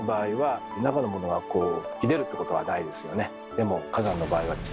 でも火山の場合はですね